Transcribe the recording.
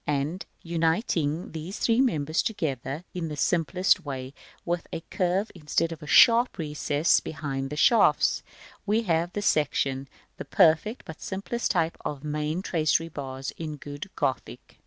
and uniting these three members together in the simplest way, with a curved instead of a sharp recess behind the shafts, we have the section b, the perfect, but simplest type of the main tracery bars in good Gothic.